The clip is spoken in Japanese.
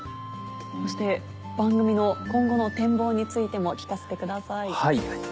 そして番組の今後の展望についても聞かせてください。